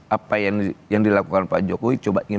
apa yang dilakukan pak jokowi coba ingin